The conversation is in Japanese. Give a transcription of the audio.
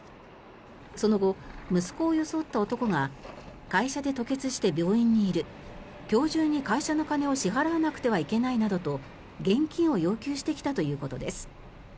その後、息子を装った男が会社で吐血して病院にいる今日中に会社の金を支払わないといけないなどと現金を要求してきたということです。